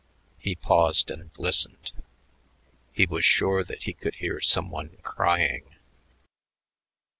He paused and listened. He was sure that he could hear some one crying.